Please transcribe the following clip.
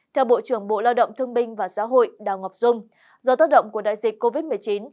theo bộ trưởng bộ lao động thương binh và xã hội đào ngọc dung do tác động của đại dịch covid một mươi chín